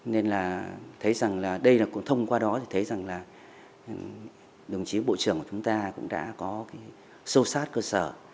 nên là thấy rằng là đây là thông qua đó thì thấy rằng là đồng chí bộ trưởng của chúng ta cũng đã có cái sâu sát cơ sở